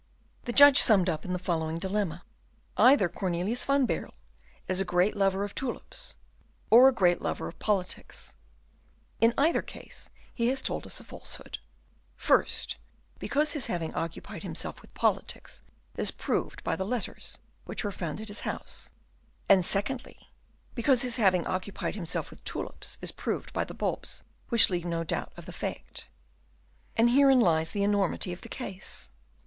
The judge summed up with the following dilemma: "Either Cornelius van Baerle is a great lover of tulips, or a great lover of politics; in either case, he has told us a falsehood; first, because his having occupied himself with politics is proved by the letters which were found at his house; and secondly, because his having occupied himself with tulips is proved by the bulbs which leave no doubt of the fact. And herein lies the enormity of the case.